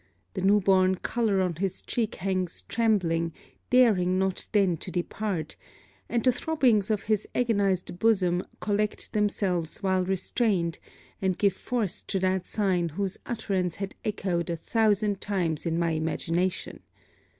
The new born colour on his cheek hangs trembling, daring not then to depart; and the throbbings of his agonized bosom collect themselves while restrained, and give force to that sign whose utterance has echoed a thousand times in my imagination.